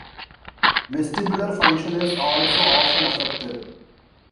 Vestibular function is also often affected.